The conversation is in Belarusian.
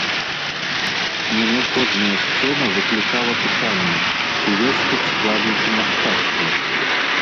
У мяне кожная сцэна выклікала пытанне, ці ёсць тут складнікі мастацтва.